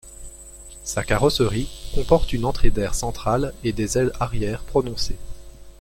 Sa carrosserie comporte une entrée d'air centrale et des ailes arrière prononcées.